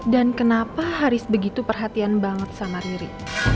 dan kenapa haris begitu perhatian banget sama riri